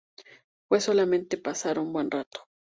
Fue solamente pasar un buen rato.